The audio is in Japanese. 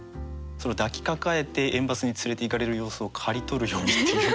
抱きかかえて園バスに連れていかれる様子を「刈りとるように」っていう。